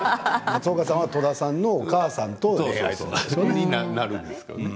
松岡さんは戸田さんのお母さんと恋愛をするんですよね。